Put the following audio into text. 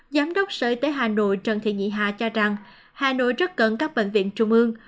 giám đốc sở y tế hà nội trần thị nhị hà cho rằng hà nội rất cần các bệnh viện trung ương